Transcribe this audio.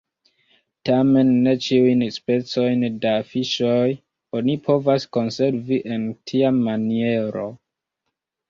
Tamen ne ĉiujn specojn da fiŝoj oni povas konservi en tia maniero.